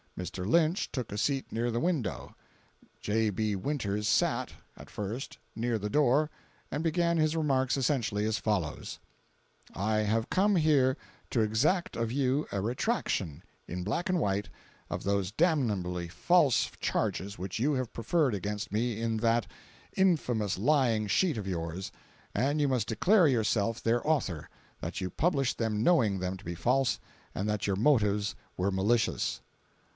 Mr. Lynch took a seat near the window. J. B. Winters sat (at first) near the door, and began his remarks essentially as follows: "I have come here to exact of you a retraction, in black and white, of those damnably false charges which you have preferred against me in that— —infamous lying sheet of yours, and you must declare yourself their author, that you published them knowing them to be false, and that your motives were malicious."